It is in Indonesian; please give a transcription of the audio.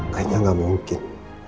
kayaknya gak mungkin